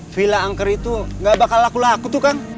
villa angker itu gak bakal laku laku tuh kang